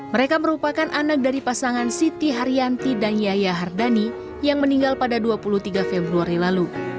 mereka merupakan anak dari pasangan siti haryanti dan yaya hardani yang meninggal pada dua puluh tiga februari lalu